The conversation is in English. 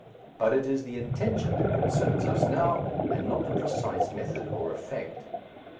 But it is the intention that concerns us now, and not the precise method or effect.